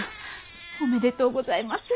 おめでとうございます。